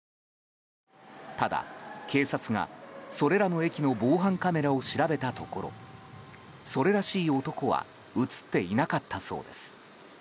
ただ、警察がそれらの駅の防犯カメラを調べたところそれらしい男は映っていなかったそうです。